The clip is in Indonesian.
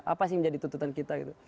apa sih yang jadi tuntutan kita gitu